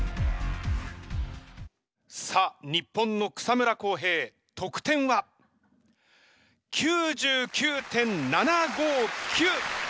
さあ日本の草村航平得点は？９９．７５９！